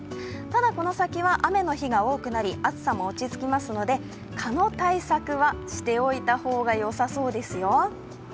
ただ、この先は雨の日が多くなり暑さも落ち着きますので蚊の対策はしておいた方がよさそうですよ。